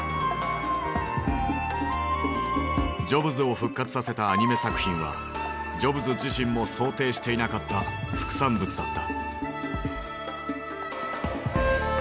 ジョブズを復活させたアニメ作品はジョブズ自身も想定していなかった副産物だった。